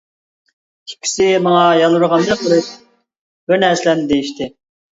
ئىككىسى ماڭا يالۋۇرغاندەك قىلىپ بىر نەرسىلەرنى دېيىشتى.